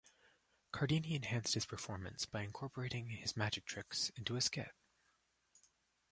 Cardini enhanced his performance by incorporating his magic tricks into a skit.